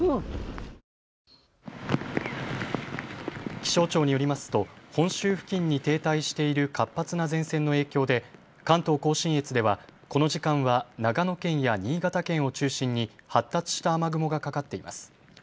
気象庁によりますと本州付近に停滞している活発な前線の影響で関東甲信越ではこの時間は長野県や新潟県を中心に発達した雨雲がかかっています。